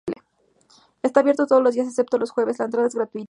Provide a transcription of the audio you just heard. Está abierto todos los días excepto los jueves; la entrada es gratuita.